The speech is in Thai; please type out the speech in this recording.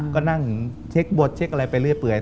ก็นั่งเช็คบทเช็คอะไรไปเรื่อย